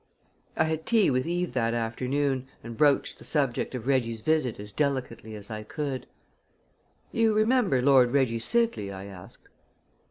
I had tea with Eve that afternoon and broached the subject of Reggie's visit as delicately as I could. "You remember Lord Reggie Sidley?" I asked.